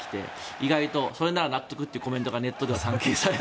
意外とそれなら納得というコメントがネットでは散見されて。